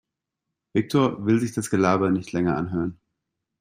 Viktor will sich das Gelaber nicht länger anhören.